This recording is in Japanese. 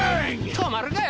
止まるかよ！